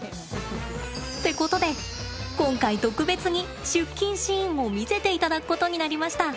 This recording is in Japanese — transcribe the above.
ってことで今回、特別に出勤シーンを見せていただくことになりました。